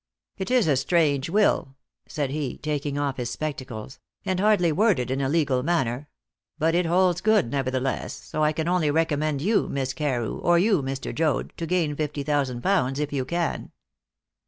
"It is a strange will," said he, taking off his spectacles, "and hardly worded in a legal manner. But it holds good, nevertheless, so I can only recommend you, Miss Carew, or you, Mr. Joad, to gain fifty thousand pounds if you can."